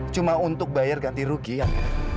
cuma untuk bayar ganti rugian